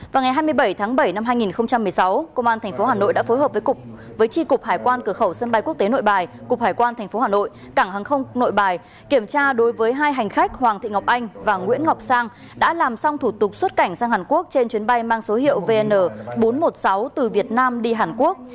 vào ngày hai mươi bảy tháng bảy năm hai nghìn một mươi sáu công an tp hà nội đã phối hợp với tri cục hải quan cửa khẩu sân bay quốc tế nội bài cục hải quan tp hà nội cảng hàng không nội bài kiểm tra đối với hai hành khách hoàng thị ngọc anh và nguyễn ngọc sang đã làm xong thủ tục xuất cảnh sang hàn quốc trên chuyến bay mang số hiệu vn bốn trăm một mươi sáu từ việt nam đi hàn quốc